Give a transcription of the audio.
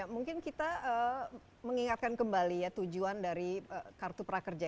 mungkin kita mengingatkan kembali ya tujuan dari kartu prakerja